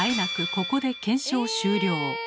ここで検証終了。